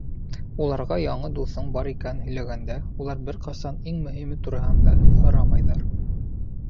Уларға яңы дуҫың бар икәнен һөйләгәндә, улар бер ҡасан иң мөһиме тураһыда һорамайҙар.